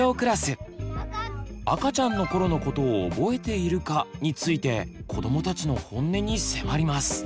「赤ちゃんのころのことを覚えているか？」についてこどもたちのホンネに迫ります。